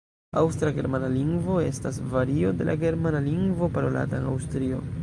Aŭstra-germana lingvo estas vario de la Germana lingvo parolata en Aŭstrio.